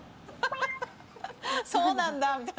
そうなんだ、みたいな。